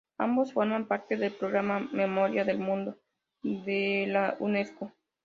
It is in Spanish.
Ambos forman parte del Programa Memoria del Mundo de la Unesco.